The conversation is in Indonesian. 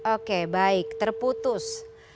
oke baik terputus